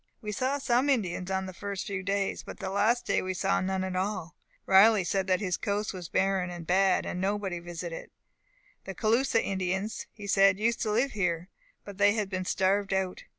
"We saw some Indians on the first few days, but the last day we saw none at all. Riley said that this coast was barren and bad; nobody visited it. The Caloosa Indians, he said, used to live here, but they had been starved out.